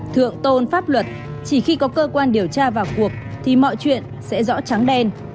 thượng tôn pháp luật chỉ khi có cơ quan điều tra vào cuộc thì mọi chuyện sẽ rõ trắng đen